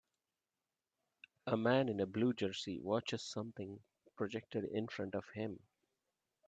A man in a blue jersey watches something projected in front of him.